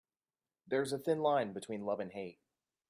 There is a thin line between love and hate.